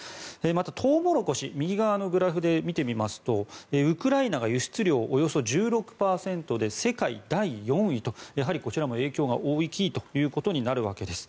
またトウモロコシ右側のグラフで見てみますとウクライナが輸出量およそ１６％で世界第４位とやはりこちらも影響が大きいということになるわけです。